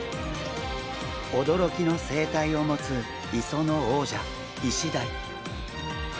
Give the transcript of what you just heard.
おどろきの生態を持つ磯の王者イシダイ。